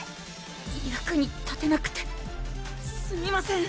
⁉役に立てなくてすみません